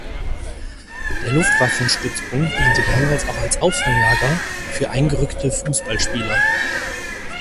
Der Luftwaffenstützpunkt diente damals auch als „Auffanglager“ für eingerückte Fußballspieler.